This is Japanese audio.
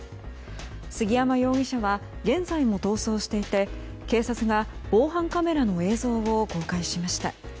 杉山容疑者は現在も逃走していて警察が防犯カメラの映像を公開しました。